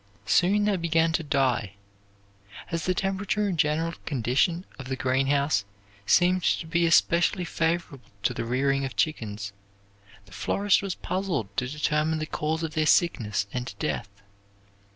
Soon they began to die. As the temperature and general condition of the greenhouse seemed to be especially favorable to the rearing of chickens, the florist was puzzled to determine the cause of their sickness and death.